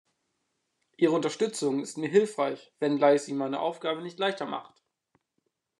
Ihre Unterstützung ist mir hilfreich, wenngleich sie meine Aufgabe nicht leichter macht.